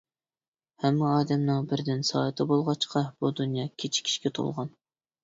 ھەممە ئادەمنىڭ بىردىن سائىتى بولغاچقا بۇ دۇنيا كېچىكىشكە تولغان.